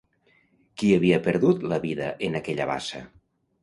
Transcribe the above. Qui havia perdut la vida en aquella bassa?